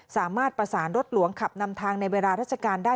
สามารถประสานรถหลวงขับนำทางในเวลาราชการได้